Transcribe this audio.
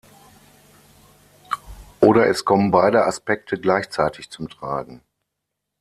Oder es kommen beide Aspekte gleichzeitig zum Tragen.